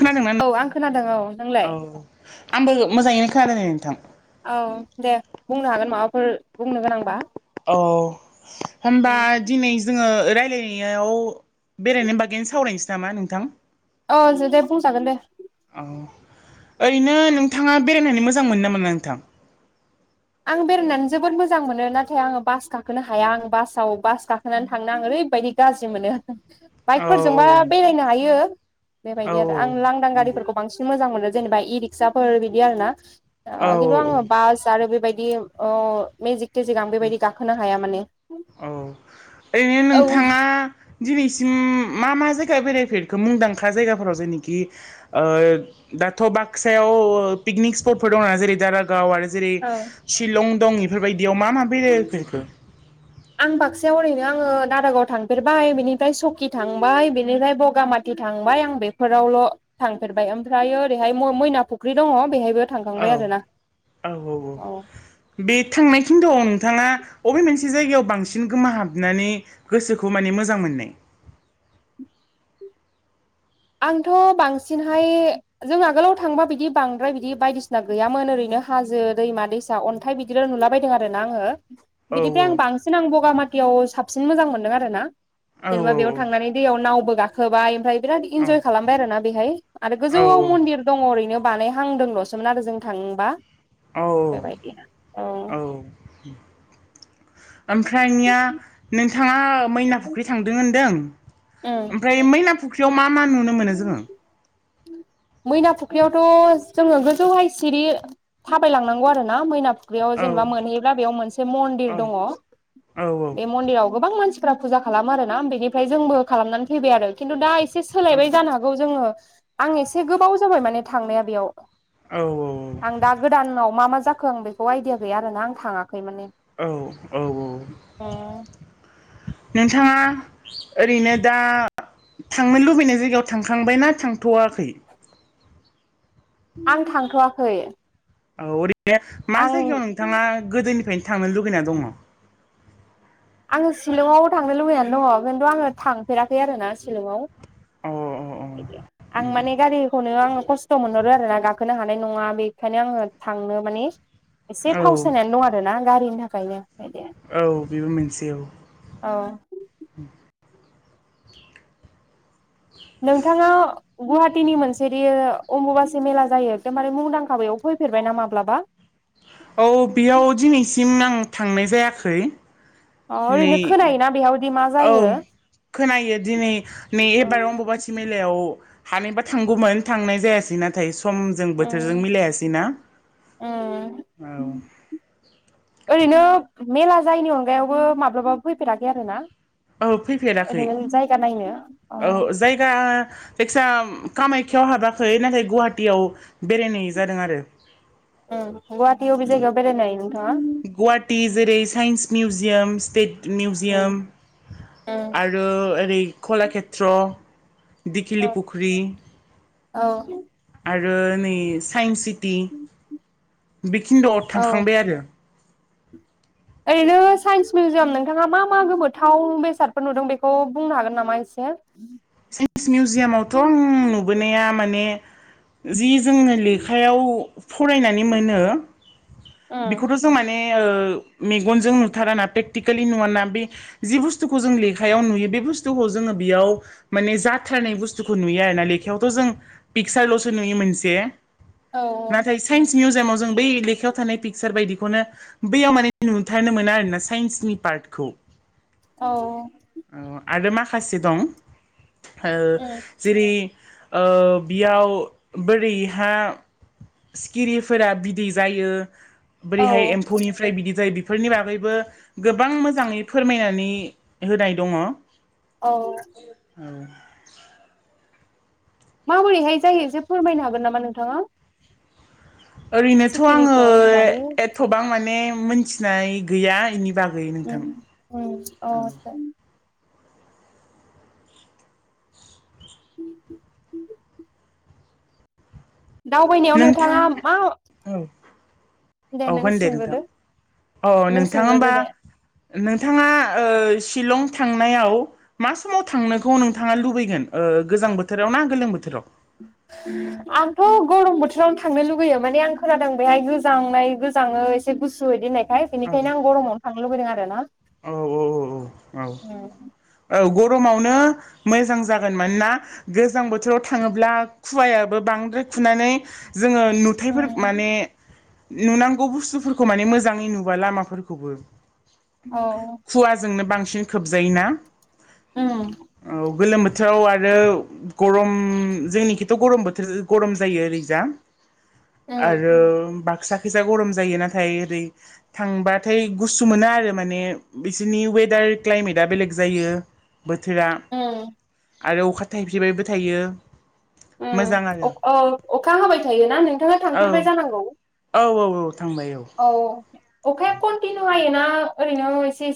खोनादोंना औ नों आं खोनादों औ नोंलाय औ आंबो मोजाङैनो खोनादों दे नोंथां औ दे बुंनो हागोन माबाफोर बुंनो गोनांबा अ होनबा दिनै जोङो रायज्लायनायाव बेरायनाय बागैनो सावरायनोसै नामा नोंथां? ओ जदे बुंजागोन दे औ ओरैनो नोंथाङा बेरायनानै मोजां मोनो ना मोना नोंथां? आं बेरायनानै जोबोद मोजां मोनो नाथाय आङो बास गाखोनो हाया आं बासाव बास गाखोनानै थांनो ओरै ओरैबायदि गाज्रि मोनो। औ बाइकफोरजोंबा बेरायनो हायो औ बेबायदि आरो आं लांदां गारिफोरखौ बांसिन मोजां मोनो। जेनेबा इ रिक्साफोर बिदि आरोना औ किन्तु आङो बास आरो बे बे ओ मेजिक थेजिक आं औ बेबायदि गाखोनो हाया माने औ ओरैनो औ नोंथाङा दिनैसिम मा मा जायगायाव बेराय फोरखो मुंदांखा जायगाफोराव जेनेखि ओ दाथ बाक्सायाव पिकनिक स्पट फोर दं जेरै दारागाव आरो जेरै औ शिलं दं इफोरबायदि मा मा बेरायफेरखो आं बाक्सायाव ओरैनो आङो दारागाव थांफेरबाय बिनिफ्राय सकि थांबाय बेनिफ्राय बगामाटि थांबाय आं बेफोरावल थांफेरबाय ओमफ्रायायो ओरैहायो मैना फुख्रि दङ बेहायबो औ थांखांबाय आरोना औ औ औ बे थांनाय खिनथआव नोंथाङा अबे मोनसे जायगायाव बांसिन गोमोहाबनानै गोसोखौ माने मोजां मोननाय? उ आंथ' बांसिनहाय जों आगोलाव थांबा बिदि बांद्राय बिदि बायदिसिना गैयामोन ओरैनो हाजो दैमा दैसा अन्थाइ बिदिल' नुलाबायदों आरो ना आङो औ बिनिफ्राय आं बांसिन आं बगामाथियाव साबसिन मोजां मोनदों आरो ना औ जेनेबा बेयाव थांनानै दैयाव नावबो गाखोबाय ओमफ्राय औ इनजय खालामबाय आरो ना बेहाय आरो औ गोजौआव मन्दिर दङ ओरैनो बानाय हांदोंल'सोमोन आरो जों थांबा औ औ ओमफ्रायनिया नोंथाङा मैना फुख्रि थांदों होनदों उम ओमफ्राय मैना फुख्रियाव मा मा नुनो मोनो जोङो? उ मैना फुख्रियावथ' जोङो गोजौहाय सिरि थाबायलांनांगौ आरो ना मैना फुख्रियाव औ जेनेबा मोनहैयोब्ला बेयाव मोनसे मन्दिर औ दङ औ बे मन्दिराव गोबां मानसि फोरा फुजा खालाम आरोना बेनिफ्राय जोंबो खालामनानै फैबाय आरो खिन्थु दा एसे सोलायबाय जानो हागौ जोङो आं एसे गोबाव जाबाय माने थांनाया बेयाव आं दा गोदानाव मा मा जा जाखो आं बेखौ आइडिया गैया आरोना आं थाङाख औ औ औ उम नोंथाङा ओरैनो दा थांनो लुबैनाय जायगायाव थांखांबायना थांथ'वाखै? आं थांथ'वाखै औ ओरैनो मा आं जायगायाव नोंथाङा गोदोनिफ्रायनो थांनो लुगैना दङ। आङो शिलंआव थांनो लुबैनानै दङ खिन्थु आङो थांफेराखै आरोना शिलंआव अ आं माने गारिखौनो आङो खस्थ' मोनहरो आरोना गाखोनो हान नङा बेनिखायनो आङो थांनो माने एसे अ औ फावसायनानै दं आरोना गारिनि थाखायनो इदि औ बेबो मोनसे औ औ नोंथाङा गुवाहाटीनि मोनसेदि अमबुबासि मेला जायो एकदमबारे मुंदांखा बेायाव फै फैफेरबाय ना माब्लाबा? औ बेयाव दिनैसिम आं थांनाय जायाखै । अ ओरैनो खोनायोना बेयाव औ खोनायो दिनै नै ओ एबार अम्बुबासि मेलायाव हानायबा थांगौमोन थांनाय जायासै नाथाय समजों बोथोरजों उम मिलायासै ना उम । औ ओरैनो मेला जायैनि अनगायावबो माब्लाबाबो फैफेराखै आरो ना? औ फैफेराखै ओरैनो जायगा नायनो अ औ जायगा जायखि जाया कामाख्याव हाबाखै नाथाय गुवाहाटीयाव बेरायनाय जादों आरो । गुवाहाटि बबे जायगायाव बेरायनाय नों? गुवाहाटी जेरै science museum, state um museum उम आरो ओरै कलाक्षेत्र दिखिलि औ फुख्रि औ आरो नै साइन्सि‌ थि बेखिनद'आव औ थांखांबाय आरो । ओरैनो साइन्स मिउजियाम नोंथाङा मा मा गोबथाव बेसादफोर नुदों बेखौ बुंनो हागोन नामा एसे? साइन्स मिउजियामावथ' आं नुबोनाया माने जि जोंनो लेखायाव फरायनानै मोनो उम बेखौथ' जों माने ओ मेगनजों नुथाराना प्रेकटिकेलि नुवाना बे जि बुस्थुखौ जों लेखायाव नुयो बे बुसथुखौ जोङो बेयाव माने जाथारनाय बुस्थुखौ नुयो आरो ना लेखायावथ' जों पिकसारल'सो नुयो मोनसे औ नाथाय साइन्स मिउजियामाव जों बै लेखायाव थानाय पिकसार बायदिखौनो बैयाव माने नुथारनो मोना आरोना साइन्सनि पार्ट खौ औ औ आरो माखासे दं ओ उम जेरै ओ बेयाव बोरैहा सिखिरिफोरा बिदै जायो, बोरैहाय औ एम्फौनिफ्राय बिदै जायो बे फोरनि बागैबो गोबां मोजाङै फोरमायनानै होनाय दङ । औ औ माबोरैहाय जायो एसे फोरमायनो हागोन नामा नोंथाङा? ओरैनोथ' आङो सिखिरिखौनि बागै एथ'बां माने मोनथिनाय गैया एनि बागै । उम उम औ [inaudible] दावबायनायाव नोंथां नोंथाङा मा औ दे औ नों होनदे नोंथां सोंग्रोदो । औ नों नोंथां सोंग्रोदो होमबा दे नोंथाङा ओ चिलं थांनायाव मा समाव थांनोखौ नोंथाङा लुबैगोन? ओ गोजां बोथोराव ना गोलोम बोथोराव? आंथ' गरम बोथोरावनो थांनो लुुबैयो माने आं खोनादों बेहाय गोजांनाय गोजाङो एसे गुसु इदि होननायखाय बेनिखायनो आं गरमावनो थांनो लुुबैदों आरो ना । औ औ औ औ औ औ ग गरमावनो मोजां जागोन मानोना गोजां बोथोराव थाङोब्ला खुवायाबो बांद्राय खुनानै जोङो नुथायाइफोर माने उम नुनांगौ बुस्थुफोरखौ माने मोजाङै नुवा लामाफोरखौबो औ खुवाजोंनो बांसिन खोबजायोना उम औ गोलोम बोथ बोथोराव आरो गरम जोंनिखैथ' गरम बोथोर गरम जायो ओरैजा । उम आरो बाख सा खैजा गरम जायो नाथाय ओरै थांबाथाय गुसु मोनो आरो माने बिसोरनि वेदार कइमेट बेलेक जायो बोथोरा उम आरो अखा थाइफ्रिबायबो थायो मोजां आरो ओम ओ अखा होबाय थायोना नोंथाङा औ थांफेरबाय जानांगौ औ औ औ थांबाय औ अखाया कन्टिनिउ हायोना ओरै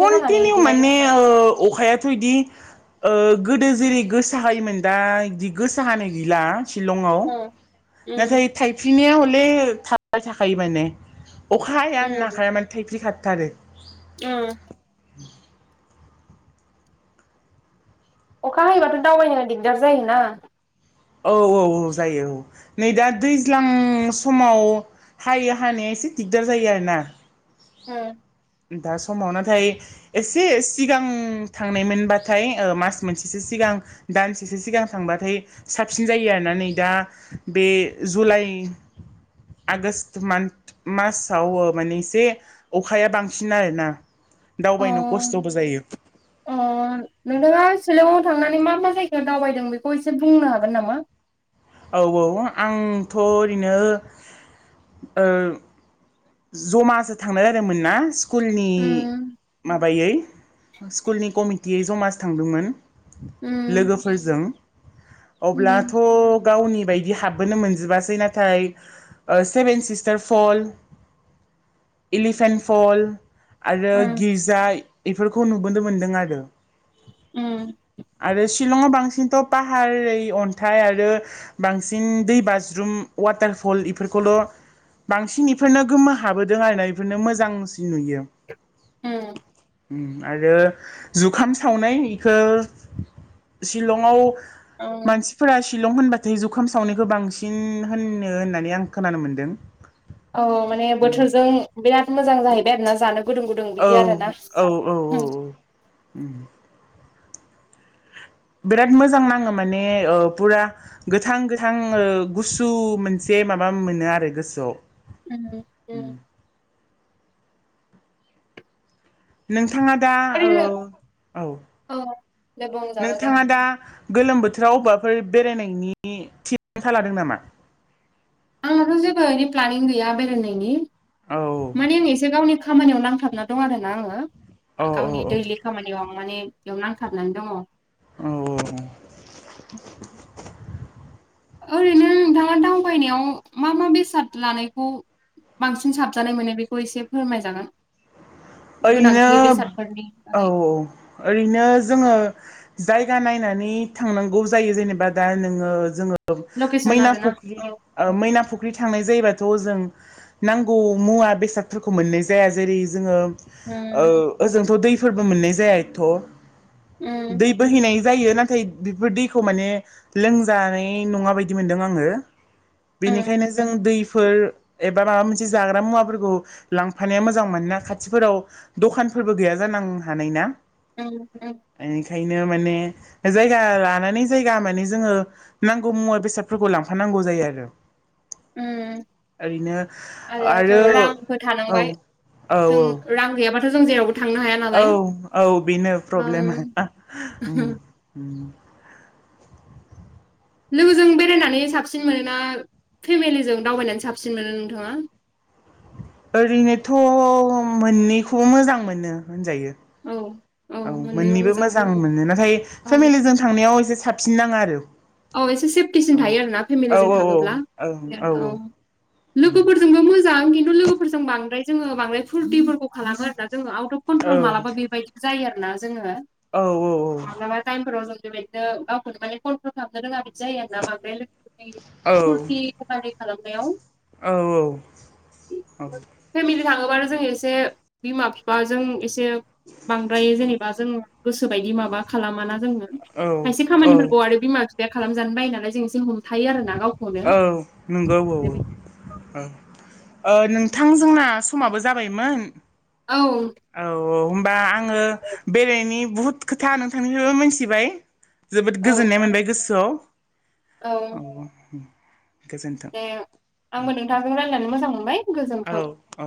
कन्टिनिउ माने अखायाथ' इदि ओ गोदो जेरै गोसा हायोमोन दा बिदि गोसा हानाय गैला शिलंआव उम नाथाय थायफ्रिनाया हले थाबाय थाखायो माने अख हाया होननो उम हाखाया माने थायफ्रि खारथारो औ अखा हायोबाथ' दावबायनो दिग्दार जायोना औ औ औ जायो औ नै दा दैज्लां समाव हायो हानाया एसे दिगदार जायो आरोना ओ दा समाव नाथाय एसे सिगां थांनायमोनबाथाय मास मोनसेसो सिगां सिगां दानसेसो सिगां थांबाथाय साबसिन जायो आरोना नै दा बे जुलाइ आगष्ट मान्थ मासाव माने एसे अखाया बांसिन आरोना अ दावबायनो खस्थ'बो जायो अ नोंथाङा सिलंआव थांनानै मा मा जायगा दावबायदों बेखौ एसे बुंनो हागोन नामा औ औ आंथ' ओरैनो ओ जमासो थांनो जादोंमोन ना स्कुलनि उम माबायै स्कुलनि कमिटियै जमासो थांदोंमोन उम लोगोफोरजों उम अब्लाथ' गावनि बायदि हाबबोनो मोनजोबासै नाथाय seven sister fall elephant fall आरो उम गिर्जा बेफोरखौ नुबोनो मोन्दों आरो उ आरो शिलंआव बांसिनथ' पाहार अन्थाइ आरो बांसिन दै बाज्रुम वाटार फल बेफोरखौल' बांसिन इफोरनो गोमा हाबोदों आरनायफोरनो मोजांसिन नुयो ह आरो जुखाम सावनाय बेखौ सिलंआव उम मानसिफोरा शिलं होनब नाथाय जुखाम सावनायखौ बांसिन होननो होननानै आं खोनानो मोनदों। औ माने बोथोरजों बिराद मोजां जाहैबाय आरोना जानो गुदुं गुदुं औ बिदि आरो ना औ औ बिराद मोजां नाङो माने फुरा गोथां गोथां गुसु मोनसे बे माबा मोनो आरो गोसोआव उ नोंथाङा दा औ ओरैनो औ औ दे बुंजागोन दे नोंथाङा दा गोलोम बोथोराव बबेबाफोर बेरायनायनि थिथा लादों नामा? आंनाथ' जेबो एै प्लनिं गैया बेरायनायनि औ माने आं एसे गावनि खामानियाव नांथाबना दं आर ना औ आङो औ गावनि दैलि खामानियाव माने बेयाव नांथारनानै दङ। औ ओरैनो नोंथाङा दावबायनायाव मा मा बेसाद लानायखौ बांसिन साबजानाय मोनो बेखौ एसे फोरमायजागोन? ओरैनो गोनांथि बेसादफोरनि औ औ बागै ओरैनो जोङो जायगा नायनानै थांनांगौ जायो जेनेबा दा नोङो जोङो लकेसन मैना आरोना फुख्रि औ ओ मैना फुख्रि थांनाय जायोबाथ' जों नांगौ मुवा बेसादफोरखौ मोननाय जाया। जेरै जोङो औ उम ओजोंथ' दैफोरबो मोननाय जाया एथ' उम दै बोहैनाय जायो नाथाय बेफोर दैखौ माने लोंजानाय नङा बायदि मोनदों आङो। उम बेनिखायनो जों दै फोर एबा माबा मोनसे जाग्रा मुवाफोरखौ लांफानाया मोजां मानोना खाथिफोराव दखानफोरबो गैया जानां हानाय ना। औ औ। ओंखायनो माने जायगा लानानै जायगा माने जोङो नांगौ मुवा बेसादफोरखौ लांफानां नांगौ जायो आरो। उम ओरैनो आरोथ' आरो रांबो औ थानांबाय औ जों रां गैयाबा थ' जों जेरावबो थांनो हाया औ नालाय औ बेनो प्रब्लेमा। रां उम उम। लोगोजों बेरायनानै साबसिन मोनोना फेमेलिजों दावबायनानै साबसिन मोनो नोंथाङा? ओरैनोथ' मोननैखौबो मोजां मोनो होनजायो। औ औ मोननैबो मोजां मोनो नाथाय औ फेमेलिजों थांनायाव एसे साबसिन नाङो आरो। औ एसे सेफटिसिन औ थायो आरोना फेमेलिजों थाङोब्ला [unintelligible] औ। लोगोफोरजोंबो मोजां खिन्थु लोगोफोरजों बांद्राय जोङो बांद्राय फुरटिफोरखौ खालामो आरोना जोङो आउट अफ कन्ट्रल मालाबा बेबायदिबो जायो आरो ना जोङो। मालाबा टाइमफोराव जों बेबायदिनो गावखौनो [unintelligible] [unintelligible] रोङा बिदि जायो आरो ना मा बे लोगोफोर फुरथि खालामनायाव। औ औ औ। फेमिलि थाङोबानो जों एसे बिमा बिफाजों एसे बांद्राय जेनेबा जों गोसो बायदि माबा खालामाना जोङो खायसे औ खामानिफोरखौ आरो बे खालामजानो बायो नालाय जों एसे हमथायो आरो ना। औ नंगौ औ औ औ। ओ नोंथां जोंना समाबो जाबायमोन। औ औ औ होमबा आङो बेरायनि बुहुद खोथा नोंथांनिफ्रायबो मोनथिबाय। जोबोद औ गोजोननाय मोनबाय गोसोआव औ। गोजोन्थों दे आंबो नोंथांजों रायलायनानै मोजां मोन औ औ